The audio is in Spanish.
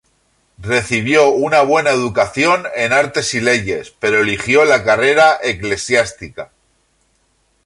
Recibió una buena educación en Artes y Leyes, pero eligió la carrera eclesiástica.